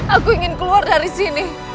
aku ingin keluar dari sini